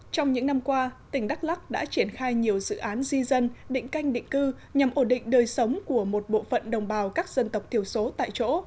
trong những năm qua tỉnh đắk lắc đã triển khai nhiều dự án di dân định canh định cư nhằm ổn định đời sống của một bộ phận đồng bào các dân tộc thiểu số tại chỗ